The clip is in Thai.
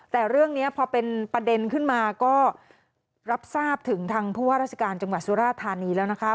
แต่เรื่องนี้พอเป็นประเด็นขึ้นมาก็รับทราบถึงทางผู้ว่าราชการจังหวัดสุราธานีแล้วนะคะ